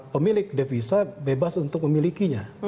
pemilik devisa bebas untuk memilikinya